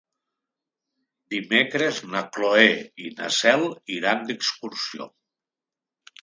Dimecres na Cloè i na Cel iran d'excursió.